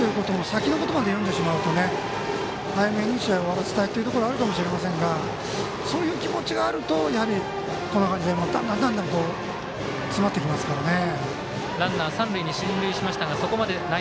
先のことまで読んでしまうと早めに試合を終わらせたいというところはあると思いますがそんな気持ちがあるとどんどん詰まってきますからね。